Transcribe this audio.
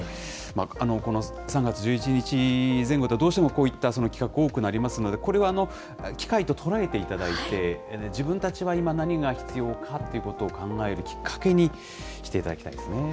この３月１１日前後だと、どうしてもこういった企画、多くなりますので、これは機会と捉えていただいて、自分たちは今、何が必要かっていうことを考えるきっかけにしていただきたいですね。